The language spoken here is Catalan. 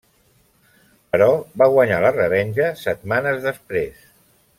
Però va guanyar la revenja, setmanes després.